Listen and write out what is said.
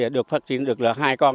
được phát triển được hai con